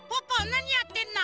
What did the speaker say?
なにやってんの？